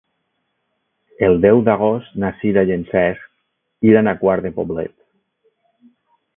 El deu d'agost na Sira i en Cesc iran a Quart de Poblet.